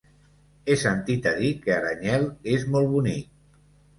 He sentit a dir que Aranyel és molt bonic.